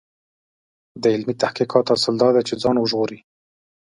د علمي تحقیقاتو اصل دا دی چې ځان وژغوري.